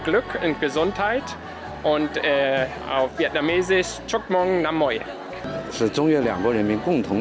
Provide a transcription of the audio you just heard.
rất cảm ơn tổng thống tổng thống tổng thống tổng thống